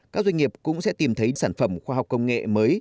các doanh nghiệp cũng sẽ tìm thấy sản phẩm khoa học công nghệ mới